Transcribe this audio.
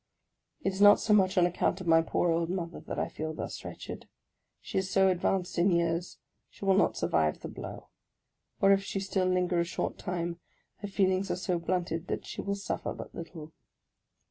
It is not so much on account of my poor old mother that I feel thus wretched ; she is so advanced in years, she will not survive the blow ; or if she still linger a short time, her feelings are so blunted that she will suffer but little.